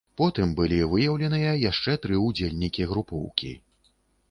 Потым былі выяўленыя яшчэ тры ўдзельнікі групоўкі.